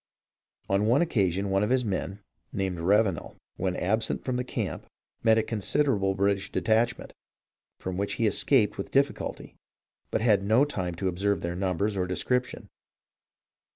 On one occasion one of his men (named Ravenel), when absent from the camp, met a con siderable British detachment, from which he escaped with difficulty, but had no time to observe their numbers or description.